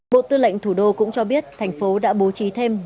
bộ tư lệnh thủ đô cũng cho biết thành phố đã bố trí thêm